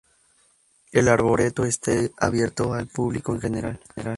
El arboreto está abierto al público en general.